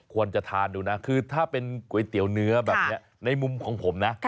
ควรจะทานดูนะคือถ้าเป็นก๋วยเตี๋ยวเนื้อแบบนี้ในมุมของผมนะ